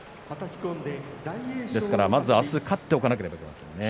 ですからまず明日勝っておかなければいけませんね。